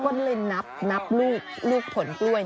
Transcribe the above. ออกลูกโดยไม่มีหัวปลีเหมือนกับต้นแรกเลยฮะ